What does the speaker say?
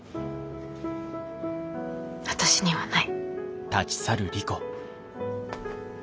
私にはない。